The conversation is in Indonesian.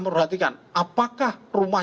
merhatikan apakah rumah